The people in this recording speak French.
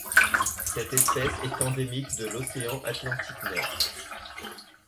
Cette espèce est endémique de l'océan Atlantique Nord.